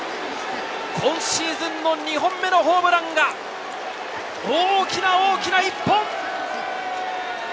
今シーズン２本目のホームランが大きな大きな１本。